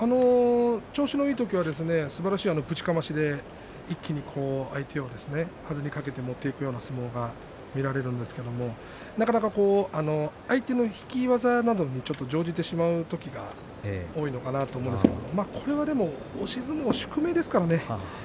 調子のいい時はすばらしいぶちかましで一気に相手をはずに掛けて持っていくような相撲が見られるんですがなかなか相手の引き技などに乗じてしまう時が多いのかなと思うんですがそれは押し相撲の宿命ですからね。